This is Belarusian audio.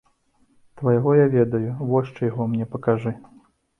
Твайго я ведаю, вось чыйго мне пакажы.